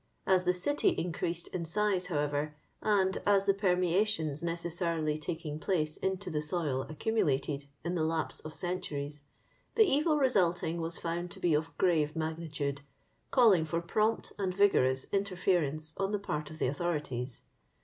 As the city increased in size, how. ever, and as the permeations necessarily taking place into the soil accnmulated in the lapse of centorios, the evil resulting was found to be of grave magnitude, calling for prompt and vigorous interference on the part of the authorities.